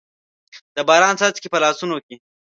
د باران څاڅکي، په لاسونو کې